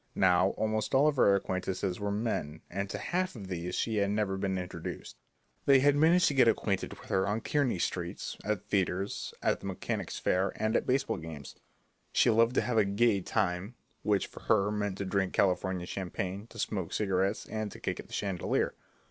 Now, almost all of her acquaintances were men, and to half of these she had never been introduced. They had managed to get acquainted with her on Kearney Street, at theatres, at the Mechanics' Fair, and at baseball games. She loved to have a "gay" time, which for her meant to drink California champagne, to smoke cigarettes, and to kick at the chandelier.